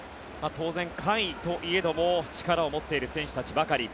当然、下位といえども力を持っている選手たちばかり。